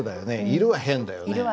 「いる」は変だよね。